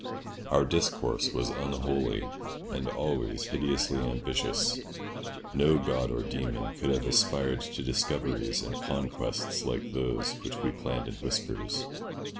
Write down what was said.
Our discourse was unholy, and always hideously ambitious—no god or daemon could have aspired to discoveries and conquests like those which we planned in whispers.